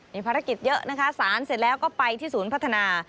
มีภารกิจเยอะนะคะสารเสร็จแล้วก็ไปที่ศูนย์พัฒนา